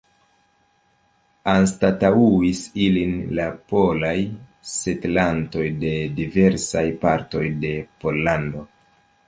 Anstataŭis ilin la polaj setlantoj de diversaj partoj de Pollando.